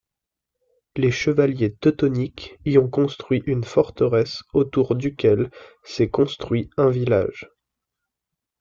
Les chevaliers teutoniques y ont construit une forteresse autour duquel s'est construit un village.